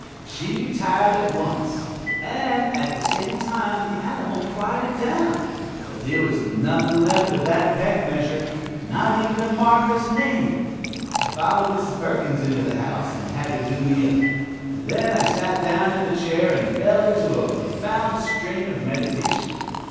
She retired at once. And at the same time the animal quieted down, but there was nothing left of that peck measure, not even the maker's name. I followed Mrs. Perkins into the house, and had her do me up, and then I sat down in a chair and fell into a profound strain of meditation.